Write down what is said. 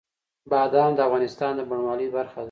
بادام د افغانستان د بڼوالۍ برخه ده.